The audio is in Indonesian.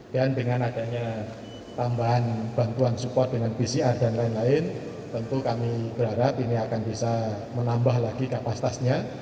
dan dengan adanya tambahan bantuan support dengan pcr dan lain lain tentu kami berharap ini akan bisa menambah lagi kapasitasnya